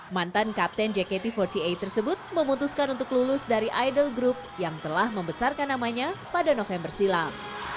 mantan kapten jkt empat puluh delapan tersebut memutuskan untuk lulus dari idol group yang telah membesarkan namanya pada november silam